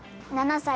７歳。